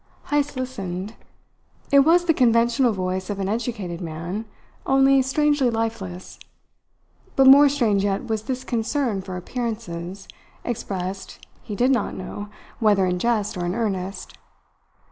Heyst listened. It was the conventional voice of an educated man, only strangely lifeless. But more strange yet was this concern for appearances, expressed, he did not know, whether in jest or in earnest.